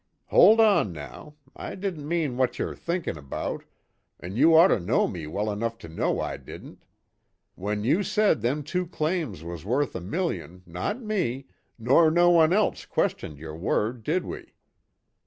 "Hold on, now. I didn't mean what you're thinkin' about an' you ort to know me well enough to know I didn't. When you said them two claims was worth a million, not me, nor no one else questioned your word, did we?